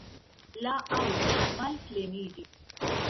La aŭlo malpleniĝis.